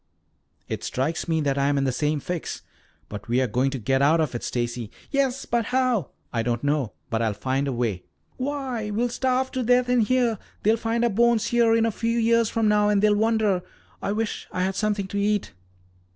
"It strikes me that I am in the same fix. But we're going to get out of it, Stacy " "Yes, but how?" "I don't know, but I'll find a way." "Why, we'll starve to death in here. They'll find our bones here a few years from now and they'll wonder I wish I had something to eat."